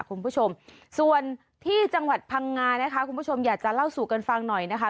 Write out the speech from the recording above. คุณผู้ชมส่วนที่จังหวัดพังงานะคะคุณผู้ชมอยากจะเล่าสู่กันฟังหน่อยนะคะ